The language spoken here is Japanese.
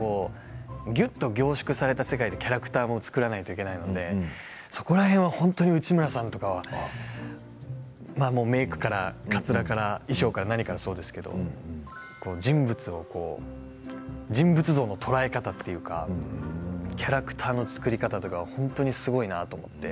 ぎゅっと凝縮された中でキャラクターを作らなくてはいけないのでそこら辺が内村さんがメークから衣装からかつらから、何からそうですけど人物像の捉え方というかキャラクターの作り方が本当にすごいなと思って。